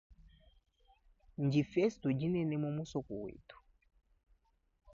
Ndifesto dinene mu musoko wetu.